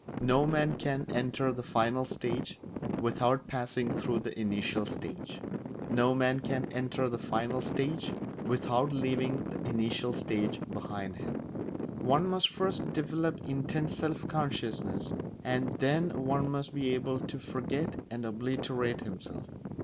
No man can enter the final stage without passing through the initial stage; no man can enter the final stage without leaving the initial stage behind him. One must first develop intense self consciousness, and then one must be able to forget and obliterate himself.